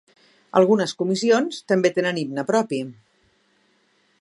Algunes comissions també tenen himne propi.